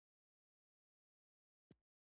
افغانستان په نړۍ کې د خپلو پسونو لپاره مشهور دی.